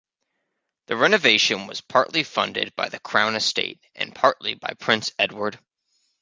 The renovation was partly funded by the Crown Estate and partly by Prince Edward.